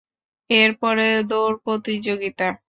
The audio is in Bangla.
এর পরে, দৌড় প্রতিযোগিতা।